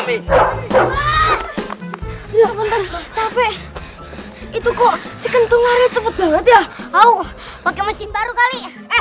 itu kok sementara capek itu kok sementara cepet banget ya oh pakai mesin baru kali